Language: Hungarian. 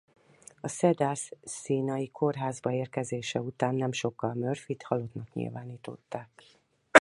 A Cedars-Sinai kórházba érkezése után nem sokkal Murphyt halottnak nyilvánították.